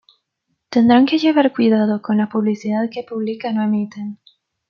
Tendrán que llevar cuidado con la publicidad que publican o emiten.